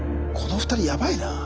この２人やばいな。